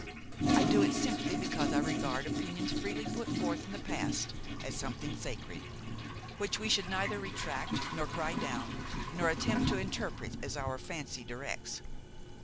I do it simply because I regard opinions freely put forth in the past as something sacred, which we should neither retract nor cry down nor attempt to interpret as our fancy directs.